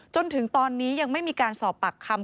จนถึงตอนนี้ยังไม่มีการสอบปากคำ